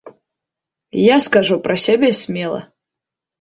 Я скажу пра сябе смела!